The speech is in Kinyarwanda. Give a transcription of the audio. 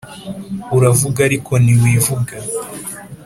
Uravuga ariko nti wivuga